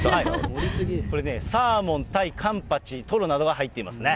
これサーモン、タイ、カンパチ、トロなどが入っていますね。